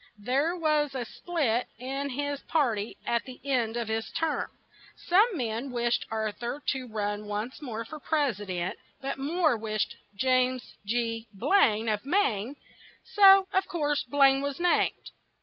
There was a split in his par ty at the end of his term; some men wished Ar thur to run once more for pres i dent, but more wished James G. Blaine of Maine; so, of course, Blaine was named.